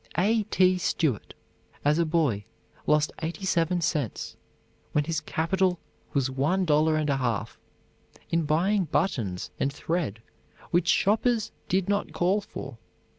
A. T. Stewart, as a boy, lost eighty seven cents, when his capital was one dollar and a half, in buying buttons and thread which shoppers did not call for.